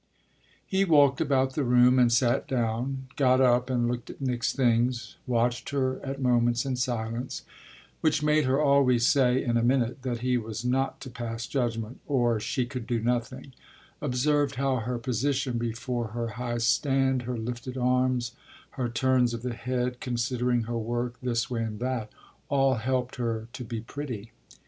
He walked about the room and sat down; got up and looked at Nick's things; watched her at moments in silence which made her always say in a minute that he was not to pass judgement or she could do nothing; observed how her position before her high stand, her lifted arms, her turns of the head, considering her work this way and that, all helped her to be pretty.